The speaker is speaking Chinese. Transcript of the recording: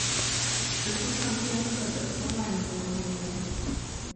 石头上镌刻着中外名人名言。